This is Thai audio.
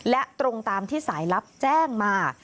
และตรงตามที่สายลับแจ้งมา